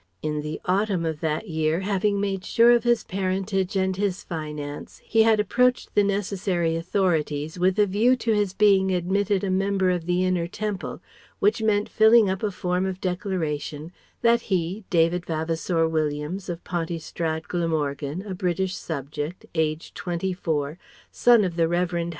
In the autumn of that year, having made sure of his parentage and his finance, he had approached the necessary authorities with a view to his being admitted a member of the Inner Temple, which meant filling up a form of declaration that he, David Vavasour Williams, of Pontystrad, Glamorgan, a British subject, aged twenty four, son of the Revd.